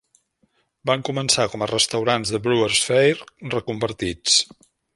Van començar com a restaurants de Brewers Fayre reconvertits.